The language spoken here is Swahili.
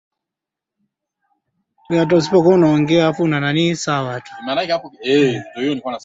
yao kupinga wakati wa mating na labda